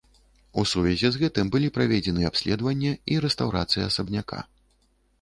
У сувязі з гэтым былі праведзены абследаванне і рэстаўрацыя асабняка.